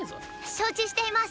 承知しています。